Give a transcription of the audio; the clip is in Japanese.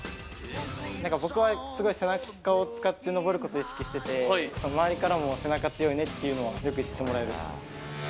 なんか僕はすごい背中を使って登ることを意識してて、周りからも、背中強いねというのをよく言ってもらえますね。